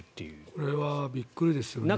これはびっくりですよね。